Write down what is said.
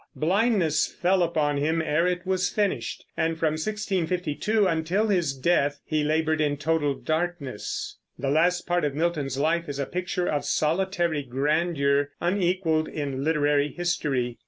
Blindness fell upon him ere it was finished, and from 1652 until his death he labored in total darkness. The last part of Milton's life is a picture of solitary grandeur unequaled in literary history.